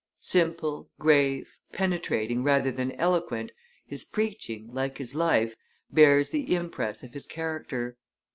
Simple, grave, penetrating rather than eloquent, his preaching, like his life, bears the impress of his character.